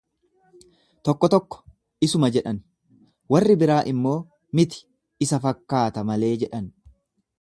Tokko tokko, Isuma jedhan, warri biraa immoo, Miti, isa fakkaata malee jedhan.